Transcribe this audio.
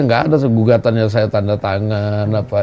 enggak ada gugatannya saya tanda tangan apa